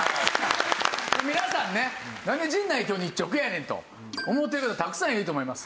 皆さんねなんで陣内今日日直やねんと思ってる方たくさんいると思います。